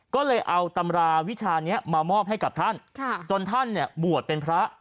ก็เลยเอาตำราวิชานี้มามอบให้กับท่านจนท่านเนี่ยบวชเป็นพระ